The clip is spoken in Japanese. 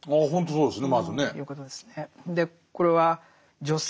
そうですね。